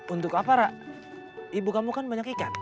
untuk apa ra ibu kamu kan banyak ikan